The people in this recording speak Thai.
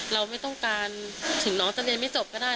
เราไม่ต้องการถึงน้องจะเรียนไม่จบก็ได้